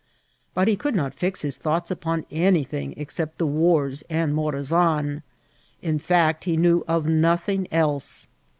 But he could not fix his thoughts upon any thing except the wars and Morazan ; in fact, he knew of nothing else.